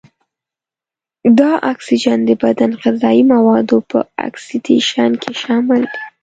دا اکسیجن د بدن غذايي موادو په اکسیدیشن کې شامل دی.